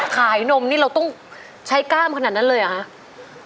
นมนี่เราต้องใช้กล้ามขนาดนั้นเลยเหรอคะ